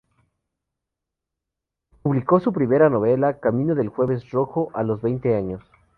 Publicó su primera novela, "Camino del jueves rojo", a los veinte años.